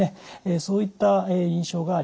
そういった印象があります。